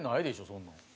そんなん。